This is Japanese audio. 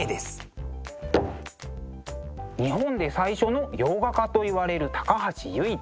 日本で最初の洋画家といわれる高橋由一。